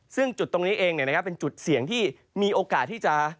ซึ่งจุดตรงนี้เองเป็นจุดเสี่ยงที่มีโอกาสที่จะ